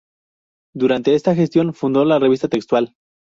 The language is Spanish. Durante esta gestión fundó la revista "Textual".